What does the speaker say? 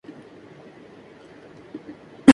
لیکن اب ملک سطحی پر جدیدترین اسلحہ تیار کررہے ہیں